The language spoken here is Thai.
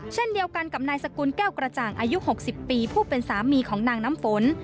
เช่นเดียวกันกับนายสกุลแก้วกระจ่างอายุ๖๐ปีผู้เป็นสามีของนางน้ำฝน